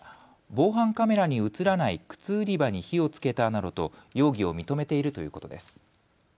防犯カメラに写らない靴売り場に火をつけたなどと容疑を認めているということです。